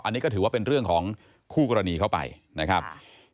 อันนี้ก็ถือว่าเป็นเรื่องของคู่กรณีเข้าไปนะครับ